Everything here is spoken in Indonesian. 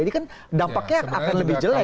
ini kan dampaknya akan lebih jelas